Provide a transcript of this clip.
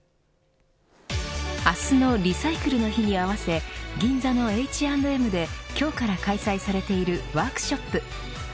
明日のリサイクルの日に合わせ銀座のＨ＆Ｍで今日から開催されているワークショップ。